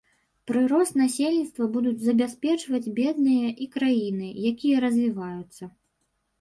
Прырост насельніцтва будуць забяспечваць бедныя і краіны, якія развіваюцца.